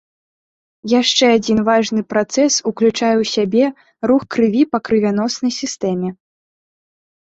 Яшчэ адзін важны працэс уключае ў сябе рух крыві па крывяноснай сістэме.